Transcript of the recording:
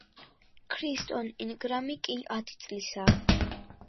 ქრისტონ ინგრამი კი ათი წლისაა.